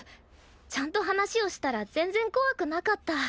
ちゃんと話をしたら全然怖くなかった。